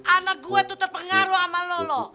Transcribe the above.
anak gue tuh terpengaruh sama lo lo